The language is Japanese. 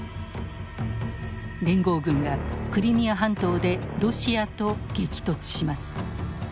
連合軍がクリミア半島でロシアと激突します。